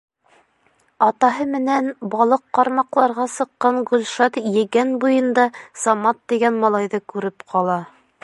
Атаһы менән балыҡ ҡармаҡларға сыҡҡан Гөлшат Егән буйында Самат тигән малайҙы күреп ҡала.